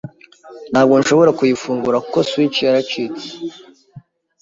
Ntabwo nshobora kuyifungura, kuko switch yaracitse.